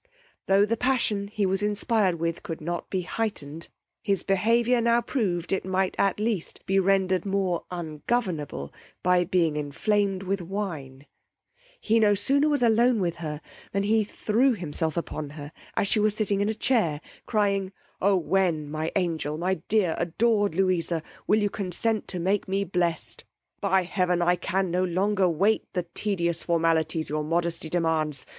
Tho' the passion he was inspired with could not be heightened, his behaviour now proved it might at least be rendered more ungovernable by being enflamed with wine: He no sooner was alone with her, than he threw himself upon her as she was sitting in a chair, crying, O when my angel, my dear adored Louisa, will you consent to make me blest. By heaven, I can no longer wait the tedious formalities your modesty demands.